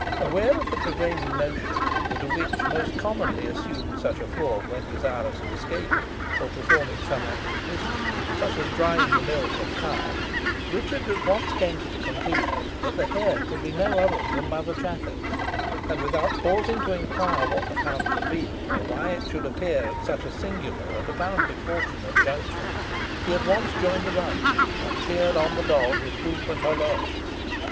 Aware of the prevailing notion, that a witch most commonly assumed such a form when desirous of escaping, or performing some act of mischief, such as drying the milk of kine, Richard at once came to the conclusion that the hare could be no other than Mother Chattox; and without pausing to inquire what the hound could be, or why it should appear at such a singular and apparently fortunate juncture, he at once joined the run, and cheered on the dog with whoop and holloa.